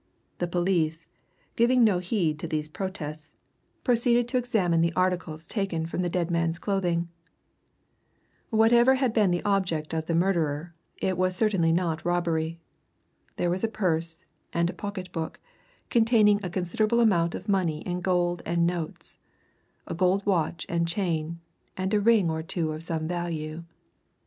The police, giving no heed to these protests, proceeded to examine the articles taken from the dead man's clothing. Whatever had been the object of the murderer, it was certainly not robbery. There was a purse and a pocket book, containing a considerable amount of money in gold and notes; a good watch and chain, and a ring or two of some value.